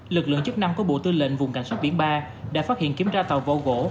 lực lượng chức năng của bộ tư lệnh vùng cảnh sát biển ba đã phát hiện kiểm tra tàu vỏ gỗ